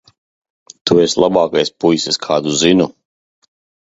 Tu esi labākais puisis, kādu zinu.